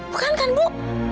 bukan kan bu